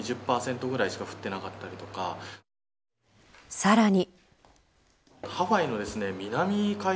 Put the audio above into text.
さらに。